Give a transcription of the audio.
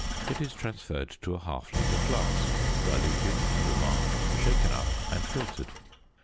It is transferred to a half litre flask, diluted to the mark, shaken up, and filtered.